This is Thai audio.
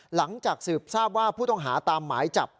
หลังจากสืบทราบว่าผู้ต้องหาตามหมายจับ